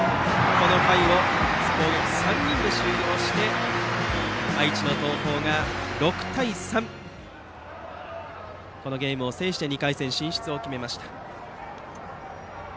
この回を攻撃３人で終了して愛知の東邦が６対３でこのゲームを制して２回戦進出を決めました。